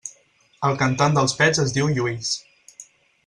El cantant dels Pets es diu Lluís.